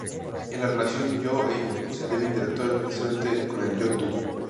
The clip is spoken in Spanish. En la relación "Yo-Ello" se debe interactuar necesariamente con el "Yo-Tú".